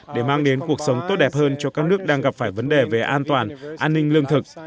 để mang đến cuộc sống tốt đẹp hơn cho các nước đang gặp phải vấn đề về an toàn an ninh lương thực